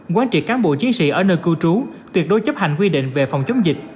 quán trị cán bộ chiến sĩ ở nơi cư trú tuyệt đối chấp hành quy định về phòng chống dịch